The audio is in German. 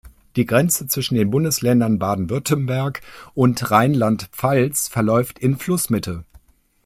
Die Grenze zwischen den Bundesländern Baden-Württemberg und Rheinland-Pfalz verläuft in Flussmitte.